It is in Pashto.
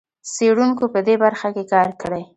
څېړونکو په دې برخه کې کار کړی.